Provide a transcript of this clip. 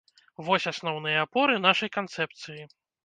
Вось асноўныя апоры нашай канцэпцыі.